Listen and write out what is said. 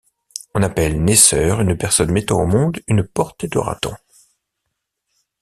On appelle naisseur, une personne mettant au monde une portée de ratons.